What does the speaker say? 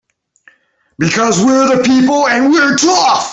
Because we're the people and we're tough!